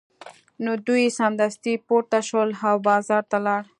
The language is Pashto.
نو دوی سمدستي پورته شول او بازار ته لاړل